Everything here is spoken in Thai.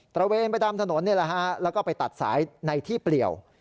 ระเวนไปตามถนนแล้วก็ไปตัดสายในที่เปลี่ยว